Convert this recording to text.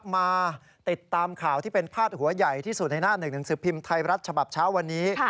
มาติดตามข่าวที่เป็นพาดหัวใหญ่ที่สุดในหน้าหนึ่งหนังสือพิมพ์ไทยรัฐฉบับเช้าวันนี้